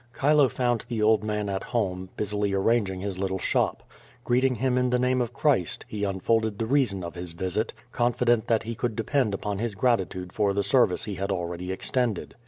Chilo found the old man at home, busily arranging his little shop. Greeting him in the name of Christ, he unfolded the reason of his visit, confident that he could depend upon his gratitude for the senice he had already extended.